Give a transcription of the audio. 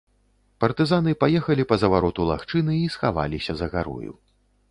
Партызаны паехалі па завароту лагчыны і схаваліся за гарою.